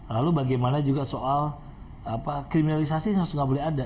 lalu bagaimana juga soal kriminalisasi harus nggak boleh ada